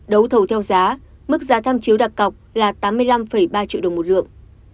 đấu thầu theo giá mức giá tham chiếu đặc cọc là tám mươi năm ba triệu đồng một lượng